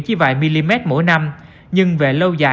chỉ vài mm mỗi năm